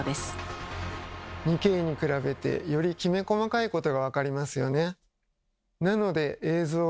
２Ｋに比べてよりきめ細かいことが分かりますよね。